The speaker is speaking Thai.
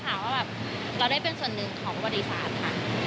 ว่าแบบเราได้เป็นส่วนหนึ่งของบริษัทค่ะ